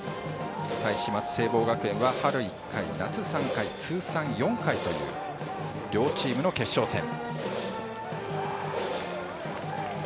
対します聖望学園は春１回、夏３回通算４回という両チームの決勝戦。